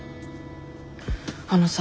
あのさ。